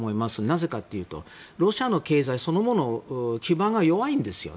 なぜかというとロシアの経済そのもの基盤が弱いんですよ。